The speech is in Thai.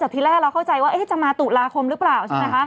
พฤศจิกา